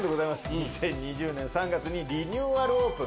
２０２０年３月にリニューアルオープン。